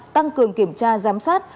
tăng cường kiểm tra giám sát